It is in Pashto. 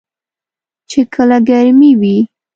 چې کله ګرمې وي .